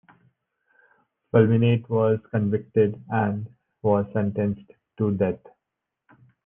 Fulminante was convicted and was sentenced to death.